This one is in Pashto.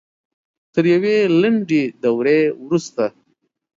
تر یوې لنډې دورې وروسته